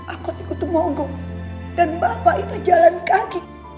aku ikut mogok dan bapak itu jalan kaki